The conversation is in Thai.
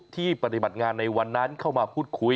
ปฏิบัติงานในวันนั้นเข้ามาพูดคุย